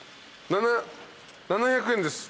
７００円です。